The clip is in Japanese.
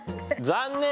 残念。